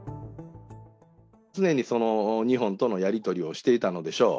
常に日本とのやり取りをしていたのでしょう。